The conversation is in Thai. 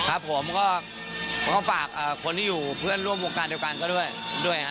ครับผมก็ฝากคนที่อยู่เพื่อนร่วมวงการเดียวกันก็ด้วยด้วยครับ